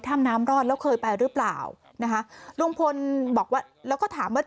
่ำน้ำรอดแล้วเคยไปหรือเปล่านะคะลุงพลบอกว่าแล้วก็ถามว่า